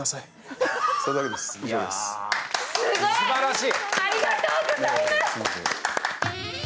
すばらしい！